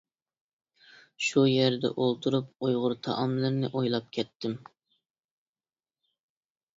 شۇ يەردە ئولتۇرۇپ ئۇيغۇر تائاملىرىنى ئويلاپ كەتتىم.